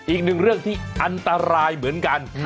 อีกหนึ่งเรื่องที่อันตรายเหมือนกัน